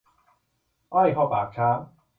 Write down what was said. อ้อยเข้าปากช้าง